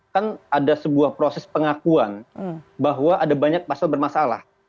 kan ada sebuah proses pengakuan bahwa ada banyak pasal bermasalah